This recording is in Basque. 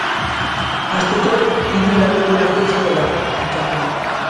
Hasteko, hiru hilabeterako izango da, pentsatu nuen.